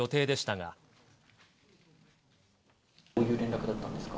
どういう連絡だったんですか？